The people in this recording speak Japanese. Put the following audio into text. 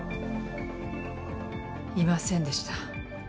いませんでした。